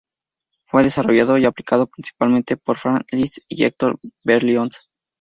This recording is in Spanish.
Fue desarrollado y aplicado principalmente por Franz Liszt y Hector Berlioz.